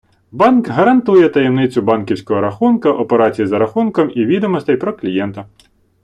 Банк гарантує таємницю банківського рахунка, операцій за рахунком і відомостей про клієнта.